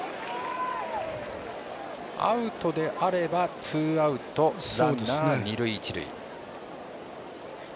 アウトであればツーアウト、ランナー、二塁一塁。